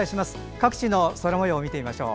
各地の空もようを見てみましょう。